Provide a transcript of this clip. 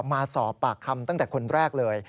มาสอบปากคำตั้งแต่คนแรกเลย